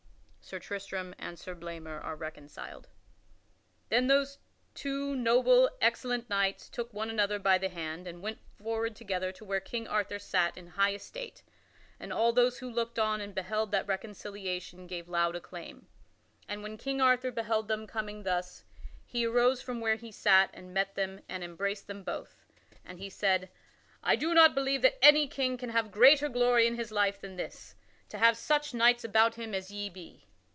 [Sidenote: Sir Tristram and Sir Blamor are reconciled] Then those two noble, excellent knights took one another by the hand and went forward together to where King Arthur sat in high estate, and all those who looked on and beheld that reconciliation gave loud acclaim. And when King Arthur beheld them coming thus, he arose from where he sat and met them and embraced them both, and he said: "I do not believe that any king can have greater glory in his life than this, to have such knights about him as ye be."